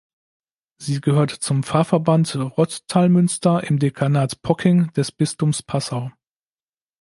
Sie gehört zum Pfarrverband Rotthalmünster im Dekanat Pocking des Bistums Passau.